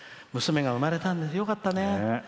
娘が生まれたんだよかったね。